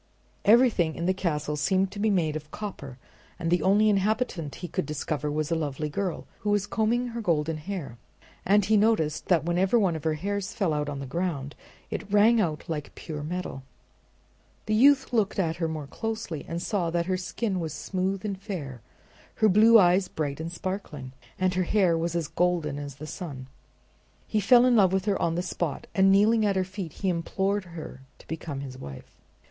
Everything in the castle seemed to be made of copper, and the only inhabitant he could discover was a lovely girl, who was combing her golden hair; and he noticed that whenever one of her hairs fell on the ground it rang out like pure metal. The youth looked at her more closely, and saw that her skin was smooth and fair, her blue eyes bright and sparkling, and her hair as golden as the sun. He fell in love with her on the spot, and kneeling at her feet he implored her to become his wife.